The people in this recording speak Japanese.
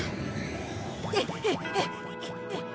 えっ？